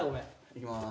いきます。